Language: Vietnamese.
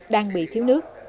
đang bị thiếu nước